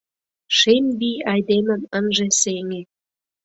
Шем вий айдемым ынже сеҥе.